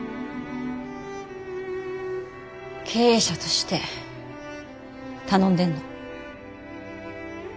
経営者として頼んでんの。